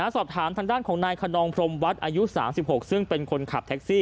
สอบถามทางด้านของนายคนนองพรมวัดอายุ๓๖ซึ่งเป็นคนขับแท็กซี่